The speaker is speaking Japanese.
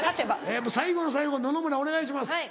・最後の最後野々村お願いします。